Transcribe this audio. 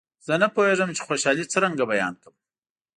زه نه پوهېږم چې خوشالي څرنګه بیان کړم.